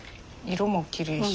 色もきれいし。